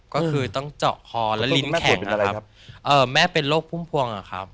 ก็คือต้องเจาะคอและลิ้นแข็งนะครับเอ่อแม่เป็นโรคพุ่มพวงอะครับ